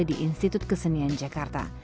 di institut kesenian jakarta